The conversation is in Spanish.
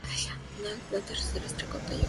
Plantas terrestres con tallo corto hasta trepadoras.